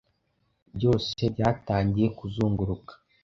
Byose byatangiye kuzunguruka.